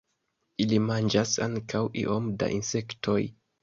Ili manĝas ankaŭ iom da insektoj.